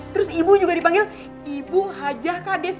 terus ibu juga dipanggil ibu hajah kades